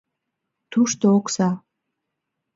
Тушто — окса.